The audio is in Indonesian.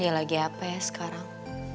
dia lagi apa ya sekarang